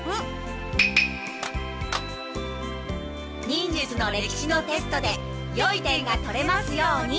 忍術のれきしのテストでよい点が取れますように。